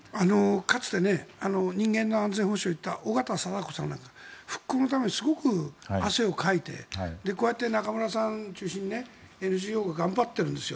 かつて人間の安全保障を言った緒方貞子さんなんか復興のためにすごく汗をかいてこうやって中村さん中心にＮＧＯが頑張ってるんです。